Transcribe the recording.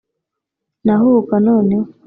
Nahuhuka noneho